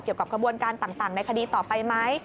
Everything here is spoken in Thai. เกี่ยวกับกระบวนการต่างในคดีต่อไปมั้ย